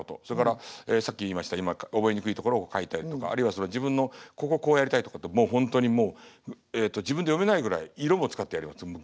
それからさっき言いました覚えにくいところを書いたりとかあるいは自分のこここうやりたいとかってもう本当にもう自分で読めないぐらい色も使ってやります。